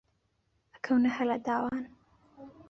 ئەکەونە هەلە داوان